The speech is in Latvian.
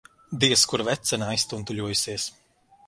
Diez kur vecene aiztuntuļojusies.